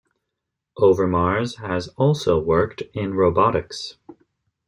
Overmars has also worked in robotics.